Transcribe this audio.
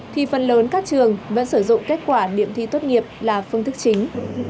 thì phần lớn các trường vẫn sử dụng kết quả điểm thi tốt nghiệp là phương thức chính